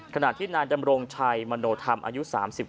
ขณะที่นายดำรงชัยมโนธรรมอายุ๓๙